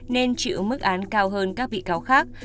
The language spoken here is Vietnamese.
nên chịu mức án cao hơn các vị cao khác